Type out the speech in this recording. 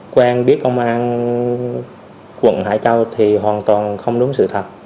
quen biết công an quận hải châu thì hoàn toàn không đúng sự thật